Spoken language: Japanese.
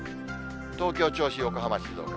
東京、銚子、横浜、静岡。